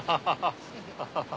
ハハハハ。